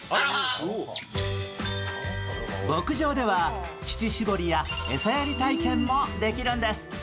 牧場では乳搾りや餌やり体験もできるんです。